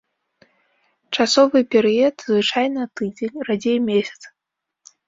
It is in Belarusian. Часовы перыяд звычайна тыдзень, радзей месяц.